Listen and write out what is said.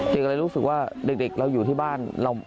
เลยรู้สึกว่าเด็กเราอยู่ที่บ้าน